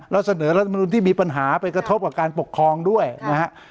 แล้วเสนอรัฐมนุนที่มีปัญหาไปกระทบกับการปกครองด้วยนะฮะ